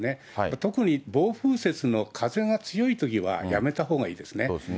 特に暴風雪の風が強いときは、やめたほうがいいですね。